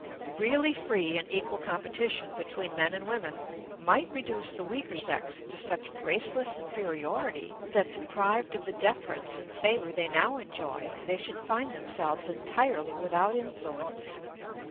Really free and equal competition between men and women might reduce the weaker sex to such graceless inferiority that, deprived of the deference and favour they now enjoy, they should find themselves entirely without influence.